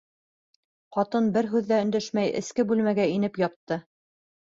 Ҡатын бер һүҙ ҙә өндәшмәй эске бүлмәгә инеп ятты.